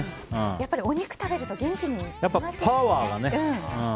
やっぱりお肉食べると元気になりますよね。